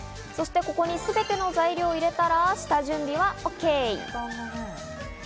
ここに全ての材料を入れたら、下準備はＯＫ。